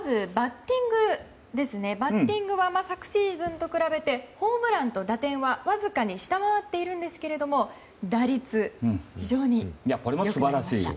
まず、バッティングは昨シーズンと比べてホームランと打点はわずかに下回っているんですが打率、非常に良くなりました。